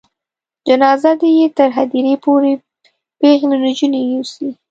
جنازه دې یې تر هدیرې پورې پیغلې نجونې یوسي.